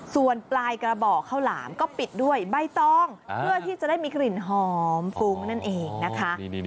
ส่วนปลายกระบอกข้าวหลามก็ปิดด้วยใบตองเพื่อที่จะได้มีกลิ่นหอมฟุ้งนั่นเองนะคะ